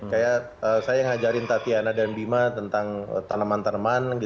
kayak saya yang ngajarin tatiana dan bima tentang tanaman tanaman